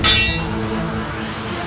ini mah aneh